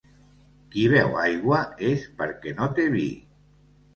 Qui beu aigua és perquè no té vi.